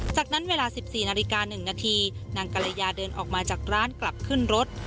จากนั้นเวลา๑๔นาฬิกา๑นาทีนางกรยาเดินออกมาจากร้านกลับขึ้นรถ